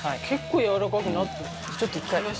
結構、やわらかくなってきた。